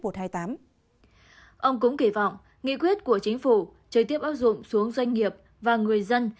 ông cũng kỳ vọng nghị quyết của chính phủ trực tiếp áp dụng xuống doanh nghiệp và người dân